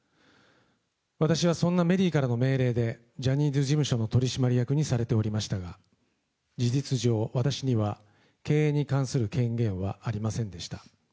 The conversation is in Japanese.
私はそんなメリーからの命令で、ジャニーズ事務所の取締役にされておりましたが、事実上、私には経営に関する権限はありませんでした。